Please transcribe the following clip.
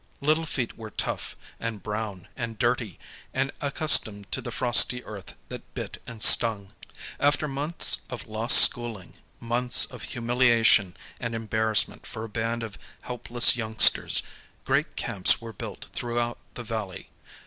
Little feet were tough, and brown, and dirty, and accustomed to the frosty earth that bit and stung. After months of lost schooling, months of humiliation and embar rassment for a band of helpless youngsters, great camps were built throughout the valley.